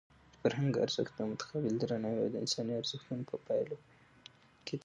د فرهنګ ارزښت د متقابل درناوي او د انساني ارزښتونو په پاللو کې دی.